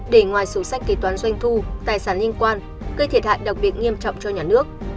để ngoài sổ sách kế toán doanh thu tài sản liên quan gây thiệt hại đặc biệt nghiêm trọng cho nhà nước